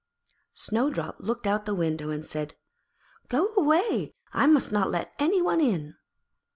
Snowdrop looked out of the window and said, 'Go away, I must not let any one in.'